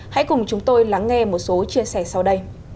hãy cùng chúng tôi lắng nghe một số chia sẻ sau đây